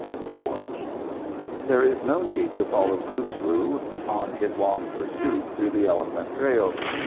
IV There is no need to follow Khusru on his long pursuit through the elephant trails.